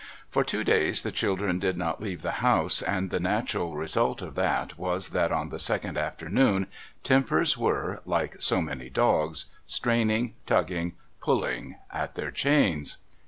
For two days the children did not leave the house, and the natural result of that was that on the second afternoon tempers were, like so many dogs, straining, tugging, pulling at their chains.